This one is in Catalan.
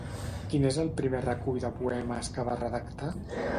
Quin és el primer recull de poemes que va redactar?